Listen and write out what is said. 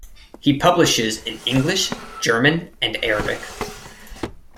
He publishes in English, German and Arabic.